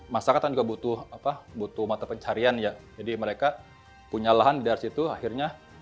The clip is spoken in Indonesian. masyarakat juga butuh apa butuh mata pencarian ya jadi mereka punya lahan dari situ akhirnya